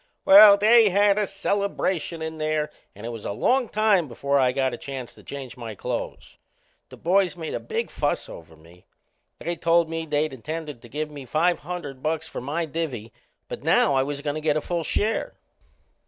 Well, they had a celebration in there and it was a long time before I got a chance to change my clothes. The boys made a big fuss over me. They told me they'd intended to give me five hundred bucks for my divvy, but now I was goin' to get a full share.